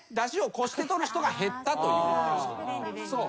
そう。